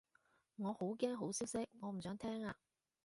我好驚好消息，我唔想聽啊